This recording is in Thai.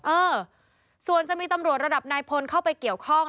เออส่วนจะมีตำรวจระดับนายพลเข้าไปเกี่ยวข้อง